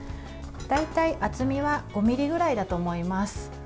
大体厚みは５ｍｍぐらいだと思います。